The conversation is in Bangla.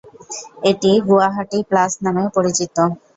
এটি গুয়াহাটি প্লাস নামেও পরিচিত।